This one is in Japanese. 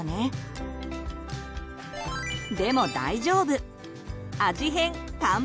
でも大丈夫！